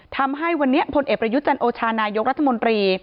ทำให้วันนี้พลเอกประยุทธ์จันโอชานายกรัฐมนตรี